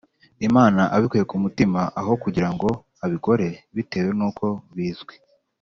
Imana abikuye ku mutima aho kugira ngo abikore bitewe n uko bizwi